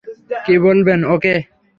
কী বলবেন ওকে?